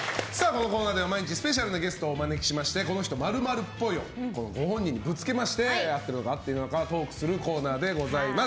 このコーナーでは毎日スペシャルなゲストをお迎えしてこの人○○っぽいをご本人にぶつけまして合っているのか合っていないのかトークするコーナーです。